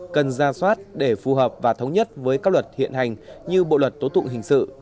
cần ra soát để phù hợp và thống nhất với các luật hiện hành như bộ luật tố tụng hình sự